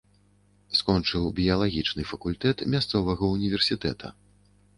Скончыў біялагічны факультэт мясцовага ўніверсітэта.